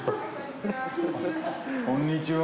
こんにちは。